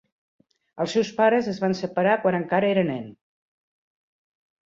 Els seus pares es van separar quan encara era nen.